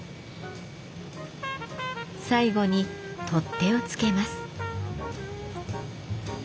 最後に取っ手をつけます。